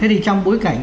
thế thì trong bối cảnh